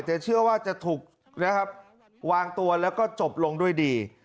แต่เชื่อว่าจะถูกนะครับวางตัวแล้วก็จบลงด้วยดี